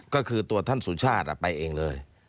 ก็คือตัวท่านสุชาติไปเองเลย